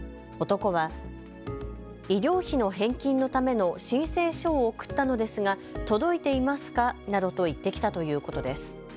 男は医療費の返金のための申請書を送ったのですが届いていますかなどと言ってきたということです。